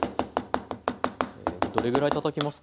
どれぐらいたたきますか？